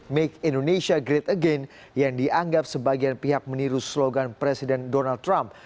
make indonesia great again yang dianggap sebagian pihak meniru slogan presiden donald trump